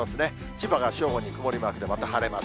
千葉が正午に曇りマークで、また晴れます。